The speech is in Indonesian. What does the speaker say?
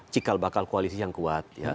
cikal bakal koalisi yang kuat